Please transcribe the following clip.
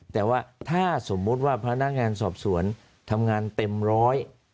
แต่ว่าถ้าสมมุติว่าพนักงานสอบสวนทำงานเต็มร้อย